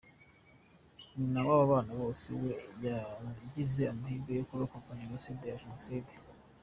Nyina w’aba bana bose we yagize amahirwe yo kurokoka Jenoside Jenoside.